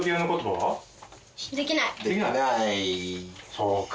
そうか。